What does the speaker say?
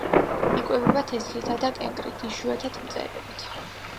იკვებება თესლითა და კენკრით, იშვიათად მწერებით.